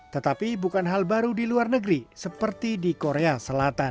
tetapi bukan hal baru di luar negeri seperti di korea selatan